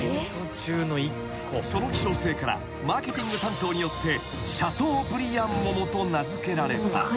［その希少性からマーケティング担当によってシャトーブリアン桃と名付けられた］